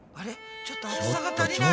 ちょっと熱さが足りない。